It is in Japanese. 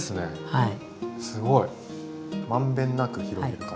はい。